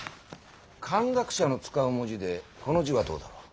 漢学者の使う文字でこの字はどうだろう。